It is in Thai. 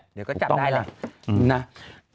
เดี๋ยวก็จับได้เลย